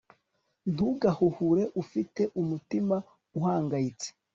ntugahuhure ufite umutima uhangayitse